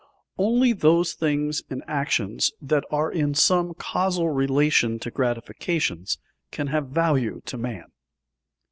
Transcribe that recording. _Only those things and actions that are in some causal relation to gratifications can have value to man.